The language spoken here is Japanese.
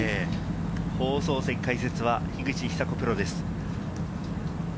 放送席解説は樋口久子プロです。